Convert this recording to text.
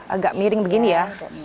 agak miring begini ya